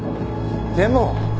でも。